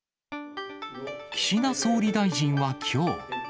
岸田総理大臣はきょう。